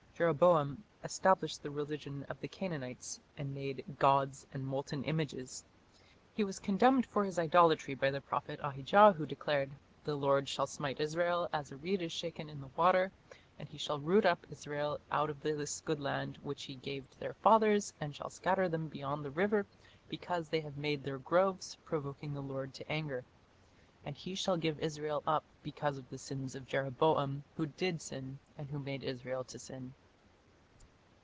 Jeroboam established the religion of the Canaanites and made "gods and molten images". He was condemned for his idolatry by the prophet Ahijah, who declared, "The Lord shall smite Israel, as a reed is shaken in the water; and he shall root up Israel out of this good land, which he gave to their fathers, and shall scatter them beyond the river, because they have made their groves, provoking the Lord to anger. And he shall give Israel up because of the sins of Jeroboam, who did sin, and who made Israel to sin."